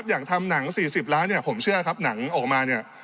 อย่างทำหนัง๔๐ล้านเนี่ยผมเชื่อครับหนังออกมาเนี่ย